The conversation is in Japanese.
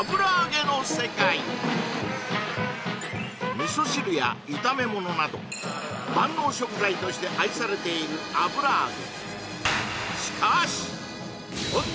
味噌汁や炒め物など万能食材として愛されている油揚げ